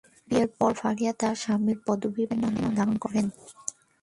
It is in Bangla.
বিয়ের পর ফারিয়া তার স্বামীর পদবী বা শেষ নাম ধারণ করেন।